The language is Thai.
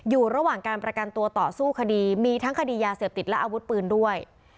อยู่ระหว่างการประกันตัวต่อสู้คดีมีทั้งคดียาเสพติดและอาวุธปืนด้วย